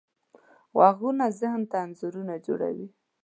غږونه ذهن ته انځورونه جوړوي.